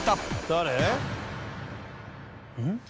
誰？